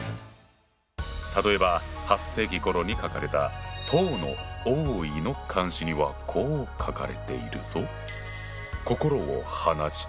例えば８世紀ごろに書かれた唐の王維の漢詩にはこう書かれているぞ。